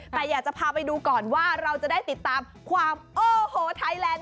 แต่อยากจะพาไปดูก่อนว่าเราจะได้ติดตามความโอ้โหไทยแลนด์